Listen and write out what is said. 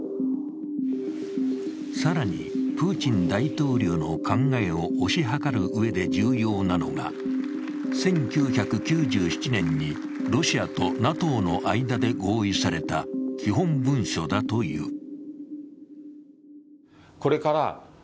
更にプーチン大統領の考えを推し量るうえで重要なのが１９９７年にロシアとＮＡＴＯの間で合意された基本文書だという。